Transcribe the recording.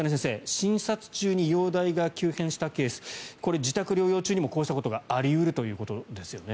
診察中に容体が急変したケースこれ自宅療養中にもこうしたことがあり得るということですよね。